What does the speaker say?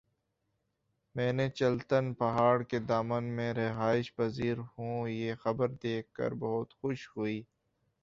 میں چلتن پہاڑ کے دامن میں رہائش پزیر ھوں یہ خبر دیکھ کر بہت خوشی ہوئ